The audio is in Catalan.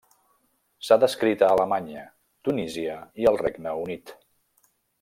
S'ha descrit a Alemanya, Tunísia i el Regne Unit.